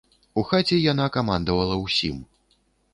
У хаце яна камандавала ўсім.